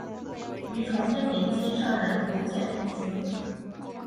于崇祯年间上任福建巡抚。